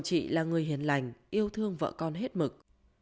chị là người hiền lành yêu thương vợ con hết mực